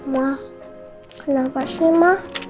ma kenapa sih ma